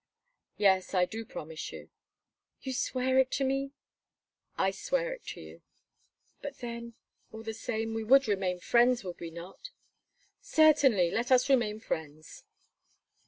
"Yes, I do promise you." "You swear it to me?" "I swear it to you." "But then, all the same, we would remain friends, would we not?" "Certainly, let us remain friends."